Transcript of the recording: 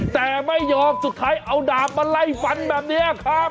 แต่ไม่ยอมสุดท้ายเอาดาบมาไล่ฟันแบบนี้ครับ